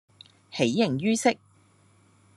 喜形於色